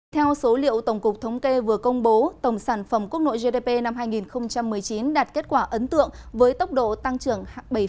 theo số liệu tổng cục thống kê vừa công bố tổng sản phẩm quốc nội gdp năm hai nghìn một mươi chín đạt kết quả ấn tượng với tốc độ tăng trưởng bảy năm